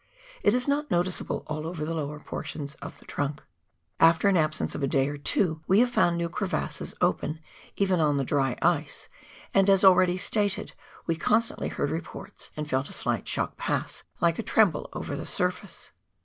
It is not noticeable aR over the lower portions of the " trunk." After an absence of a day or two, we have found new crevasses open even on the dry " ice," and, as already stated, we constantly heard reports, and felt a slight shock pass like a tremble over the surface.